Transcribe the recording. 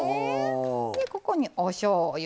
でここにおしょうゆ。